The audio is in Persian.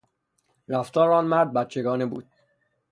رفتار آن مرد بچگانه بود.